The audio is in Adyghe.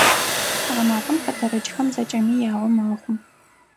Гъэмафэм хэтэрыкӀхэм зэкӀэми ягъо мэхъу.